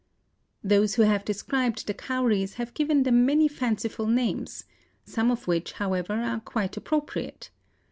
Those who have described the Cowries have given them many fanciful names, some of which, however, are quite appropriate.